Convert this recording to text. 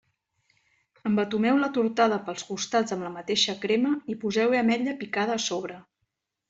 Embetumeu la tortada pels costats amb la mateixa crema i poseu-hi ametlla picada a sobre.